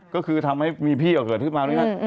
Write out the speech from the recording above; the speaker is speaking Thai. ก็คือทำให้มีพี่เกิดขึ้นมาด้วยนะ